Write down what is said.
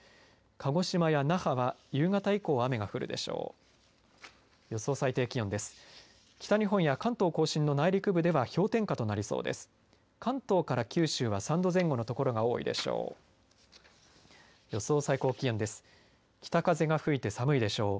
鹿児島や那覇は夕方以降、雨が降るでしょう。